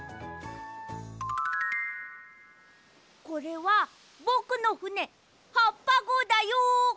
これはぼくのふねはっぱごうだよ！